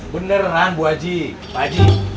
beneran bu haji pak haji